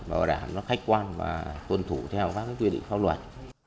bảo đảm nó khách quan và tuân thủ theo các quy định pháp luật